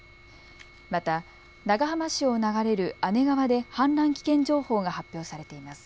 また長浜市を流れる姉川で氾濫危険情報が発表されています。